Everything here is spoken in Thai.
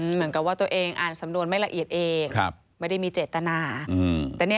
เหมือนกับว่าตัวเองอ่านสำนวนไม่ละเอียดเอง